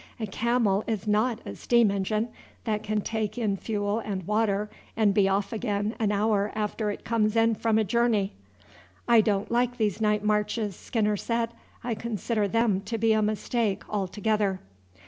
A camel is not a steam engine, that can take in fuel and water and be off again an hour after it comes in from a journey." "I don't like these night marches," Skinner said. "I consider them to be a mistake altogether."